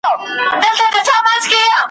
د ا ختر مبا رکي و آداب وا خله